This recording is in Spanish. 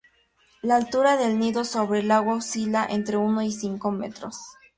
La altura del nido sobre el agua oscila entre uno y cinco metros.